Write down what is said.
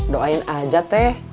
doain aja teh